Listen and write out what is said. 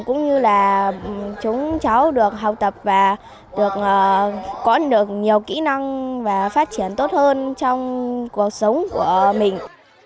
cũng như là chúng cháu được học tập và được có được nhiều kỹ năng và phát triển tốt hơn trong cuộc sống của mình